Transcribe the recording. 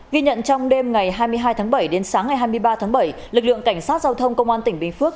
ghi nhận trong đêm ngày hai mươi hai tháng bảy đến sáng ngày hai mươi ba tháng bảy lực lượng cảnh sát giao thông công an tỉnh bình phước